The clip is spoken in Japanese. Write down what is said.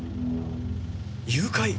誘拐！？